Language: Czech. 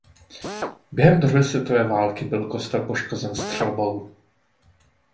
Během Druhé světové války byl kostel poškozen střelbou.